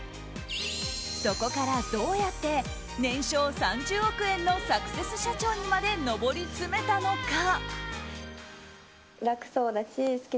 そこからどうやって年商３０億円のサクセス社長にまで上り詰めたのか？